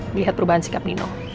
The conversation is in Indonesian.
melihat perubahan sikap nino